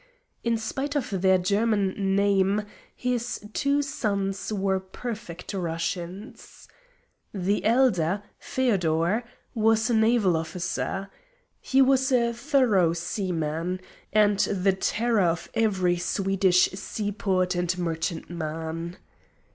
In spite of their German name his two sons were perfect Russians. The elder, Feodor, was a naval officer. He was a thorough seaman, and the terror of every Swedish seaport and merchantman.